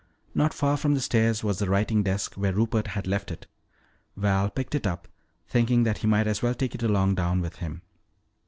Not far from the stairs was the writing desk where Rupert had left it. Val picked it up, thinking that he might as well take it along down with him.